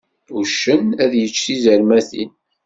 Uccen ad yečč tizermatin.